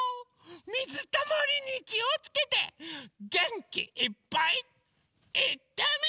みずたまりにきをつけてげんきいっぱいいってみよう！